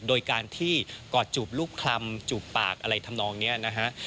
โดยการที่กอดจูบรูปคลำจูบปากอะไรทำนองนี้นะฮะ